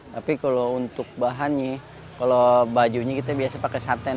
tapi kalo untuk bahannya kalo bajunya kita biasa pake saten